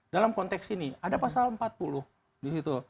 dalam konteks ini ada pasal empat puluh disitu